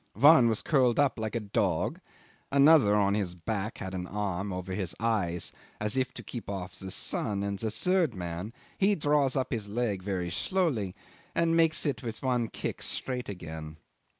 One was curled up like a dog, another on his back had an arm over his eyes as if to keep off the sun, and the third man he draws up his leg very slowly and makes it with one kick straight again.